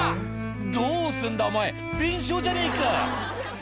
どうすんだ、お前、弁償じゃねえか。